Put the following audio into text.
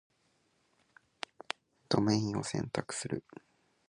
ドメインを選択する